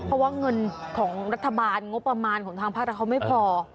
เพราะว่าเงินของรัฐบาลงบประมาณของทางภาครัฐเขาไม่พอ